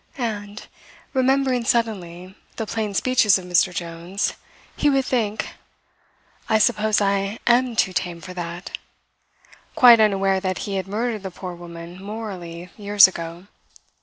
And, remembering suddenly the plain speeches of Mr. Jones, he would think: "I suppose I am too tame for that" quite unaware that he had murdered the poor woman morally years ago.